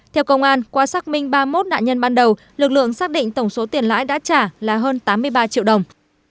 theo công an qua xác minh ba mươi một nạn nhân ban đầu lực lượng xác định tổng số tiền lãi đã trả là hơn tám mươi ba triệu đồng